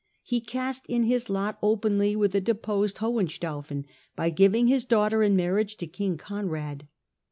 He cast in his lot openly with the deposed Hohenstaufen by giving his daughter in marriage to King Conrad.